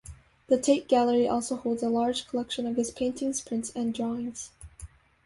The Tate Gallery also holds a large collection of his paintings, prints and drawings.